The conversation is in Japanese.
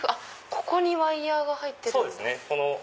ここにワイヤが入ってるんだ。